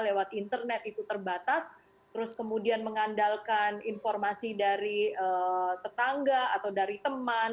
lewat internet itu terbatas terus kemudian mengandalkan informasi dari tetangga atau dari teman